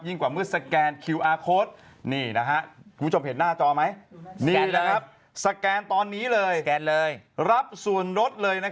พี่พี่พี่พี่พี่พี่พี่พี่พี่พี่พี่พี่พี่พี่พี่พี่